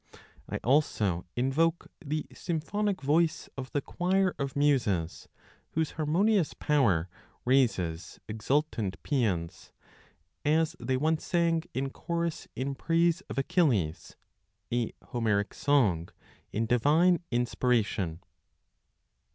I also invoke the symphonic voice of the choir of Muses, Whose harmonious power raises exultant paeans, As they once sang in chorus in praise of Achilles, A Homeric song in divine inspiration.